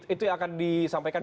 itu yang akan disampaikan